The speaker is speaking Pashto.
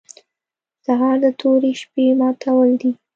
سهار د تورې شپې ماتول دي.